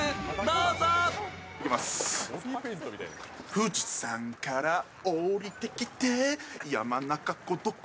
富士山から下りてきて山中湖どこ？